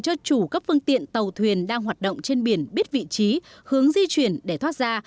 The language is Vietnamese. cho chủ các phương tiện tàu thuyền đang hoạt động trên biển biết vị trí hướng di chuyển để thoát ra